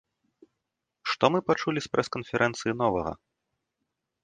Што мы пачулі з прэс-канферэнцыі новага?